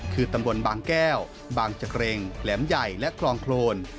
คือตำบลบางแก้วบางจักรงแหลมใหญ่และคลองโครน